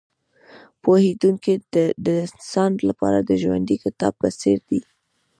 پوهېدونکی د انسان لپاره د ژوندي کتاب په څېر دی.